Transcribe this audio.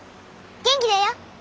元気だよ。